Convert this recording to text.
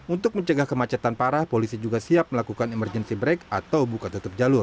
untuk mencegah kemacetan parah polisi juga siap melakukan emergency break atau buka tutup jalur